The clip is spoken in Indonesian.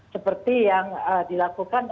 seperti yang dilakukan